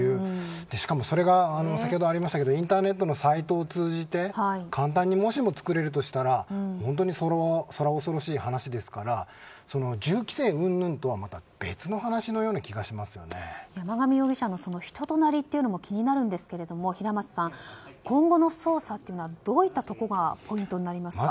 しかも、それが先ほどありましたがインターネットのサイトを通じてもしも簡単に作れるとしたら恐ろしい話ですから銃規制うんぬんとはまた別の話のような山上容疑者の人となりというのも気になりますが平松さん、今後の捜査はどういったところがポイントになりますか。